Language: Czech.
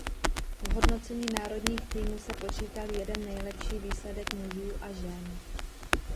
V hodnocení národních týmů se počítal jeden nejlepší výsledek mužů a žen.